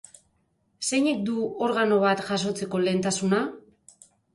Zeinek du organo bat jasotzeko lehentasuna?